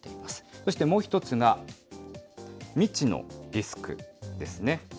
そしてもう１つが、未知のリスクですね。